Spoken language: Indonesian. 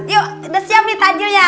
yuk udah siap nih tanjilnya